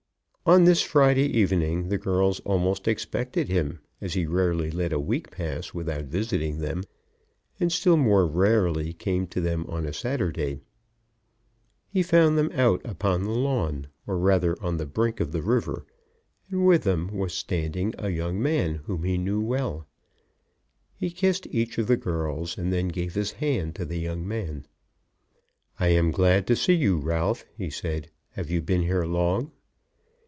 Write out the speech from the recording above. On this Friday evening the girls almost expected him, as he rarely let a week pass without visiting them, and still more rarely came to them on a Saturday. He found them out upon the lawn, or rather on the brink of the river, and with them was standing a young man whom he knew well. He kissed each of the girls, and then gave his hand to the young man. "I am glad to see you, Ralph," he said. "Have you been here long?"